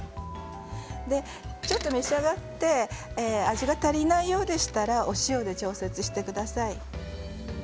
ちょっと召し上がって味が足りないようでしたら、お塩で調節してください。